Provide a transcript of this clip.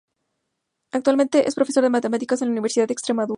Actualmente es profesor de Matemáticas en la Universidad de Extremadura.